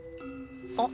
あっ！